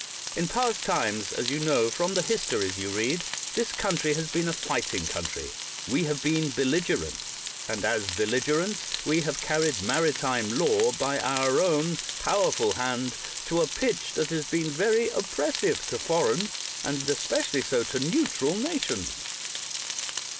In past times, as you know from the histories you read, this country has been a fighting country ; w^e have been bellig erents, and as belligerents, we have carried maritime law by your own powerful hand, to a pitch that has been very oppressive to foreign, and especially so to neutral, nations.